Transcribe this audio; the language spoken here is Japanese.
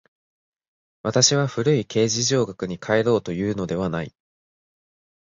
私は古い形而上学に還ろうというのではない。